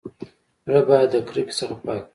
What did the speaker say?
زړه بايد د کرکي څخه پاک وي.